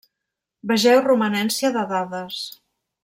Vegeu romanència de dades.